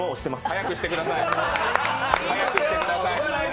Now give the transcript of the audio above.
早くしてください！